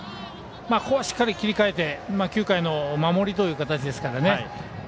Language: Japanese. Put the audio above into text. ここはしっかり切り替えて９回の守りという形ですからね。